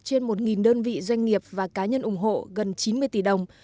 trên một đơn vị doanh nghiệp và cá nhân ủng hộ gần chín mươi tỷ đồng